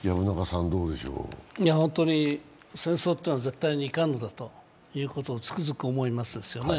戦争というのは絶対にいかんのだということをつくづく思いますですね。